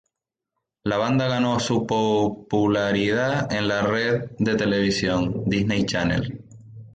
La banda ganó su popularidad en la red de televisión, Disney Channel.